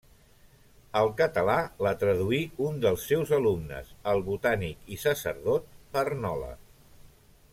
Al català la traduí un dels seus alumnes el botànic i sacerdot Barnola.